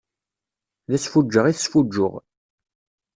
D asfuǧǧeɣ i tesfuǧǧuɣ.